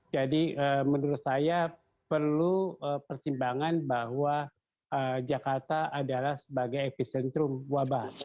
jadi menurut saya perlu pertimbangan bahwa jakarta adalah sebagai epicentrum wabah